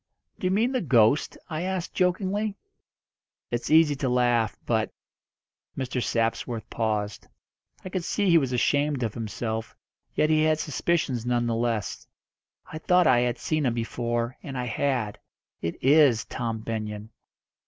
"Do you mean the ghost?" I asked jokingly. "It's easy to laugh. But " Mr. Sapsworth paused. I could see he was ashamed of himself, yet had his suspicions none the less. "I thought I had seen him before, and I had. It is Tom Benyon."